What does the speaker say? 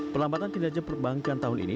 pelambatan kinerja perbankan tahun ini